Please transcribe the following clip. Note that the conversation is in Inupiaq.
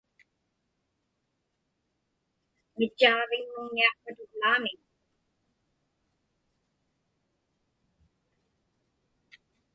Mitchaaġviŋmuŋniaqpat uvlaami?